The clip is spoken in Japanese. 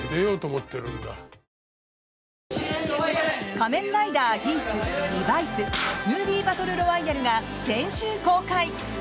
「仮面ライダーギーツ×リバイスＭＯＶＩＥバトルロワイヤル」が先週公開！